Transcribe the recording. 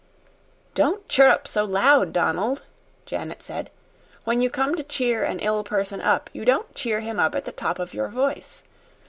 "Don't chirrup so loud, Donald," Janet said. "When you come to cheer an ill person up you don't cheer him up at the top of your voice.